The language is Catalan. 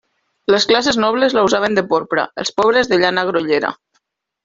Les classes nobles la usaven de porpra, els pobres de llana grollera.